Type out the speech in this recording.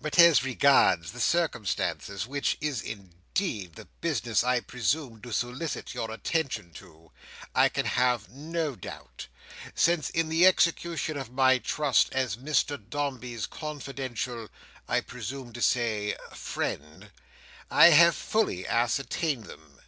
But, as regards the circumstances, which is indeed the business I presumed to solicit your attention to, I can have no doubt, since, in the execution of my trust as Mr Dombey's confidential—I presume to say—friend, I have fully ascertained them.